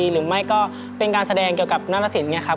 หรือไม่ก็เป็นการแสดงเกี่ยวกับหน้าตะสินไงครับ